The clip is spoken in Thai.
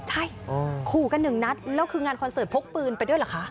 ใช่ขู่กันหนึ่งนัดแล้วคืองานคอนเสิร์ตพกปืนไปด้วยเหรอคะ